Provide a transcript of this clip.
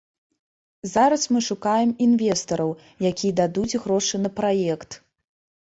Зараз мы шукаем інвестараў, якія дадуць грошы на праект.